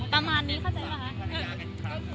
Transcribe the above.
ประมาณนี้เข้าใจไหมคะ